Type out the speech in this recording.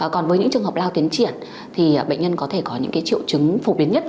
còn với những trường hợp lao tiến triển thì bệnh nhân có thể có những triệu chứng phổ biến nhất